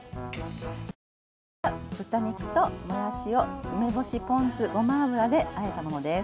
ゆでた豚肉ともやしを梅干しポン酢ごま油であえたものです。